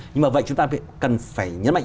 nhưng mà vậy chúng ta cần phải nhấn mạnh